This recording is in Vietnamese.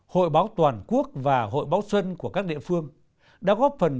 hội báo toàn quốc và hội báo xuân của các địa phương đã góp phần